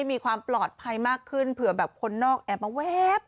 มีความปลอดภัยมากขึ้นเผื่อแบบคนนอกแอบมาแว๊บ